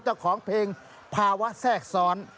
เจ้าของเพลงภาวะแทรกซ้อน